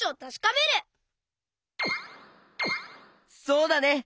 そうだね。